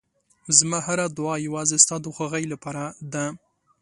زما هره دعا یوازې ستا د خوښۍ لپاره ده.